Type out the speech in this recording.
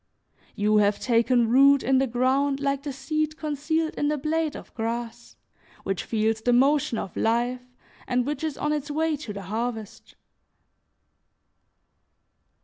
You have taken root in the ground like the seed concealed in the blade of grass which feels the motion of life, and which is on its way to the harvest.